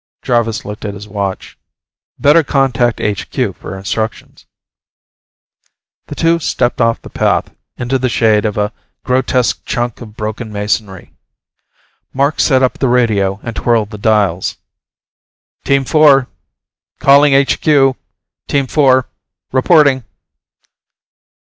Jarvis looked at his watch. "Better contact HQ for instructions." The two stepped off the path, into the shade of a grotesque chunk of broken masonry. Mark set up the radio and twirled the dials. "Team Four, calling HQ. Team Four, reporting!"